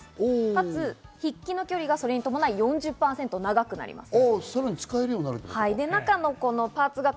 かつ筆記の距離がそれに伴い、４０％長くなります。